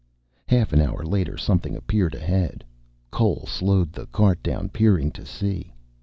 Half an hour later something appeared ahead. Cole slowed the cart down, peering to see.